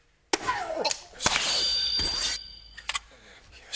よし！